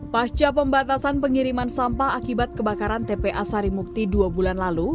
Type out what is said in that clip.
pasca pembatasan pengiriman sampah akibat kebakaran tpa sarimukti dua bulan lalu